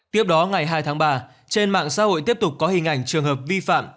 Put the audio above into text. tiếp đó ngày hai tháng ba trên mạng xã hội tiếp tục có hình ảnh trường hợp vi phạm